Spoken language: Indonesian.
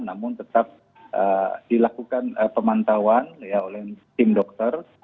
namun tetap dilakukan pemantauan oleh tim dokter